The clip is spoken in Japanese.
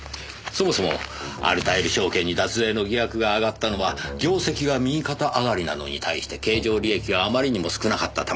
そもそもアルタイル証券に脱税の疑惑が上がったのは業績が右肩上がりなのに対して経常利益があまりにも少なかったためです。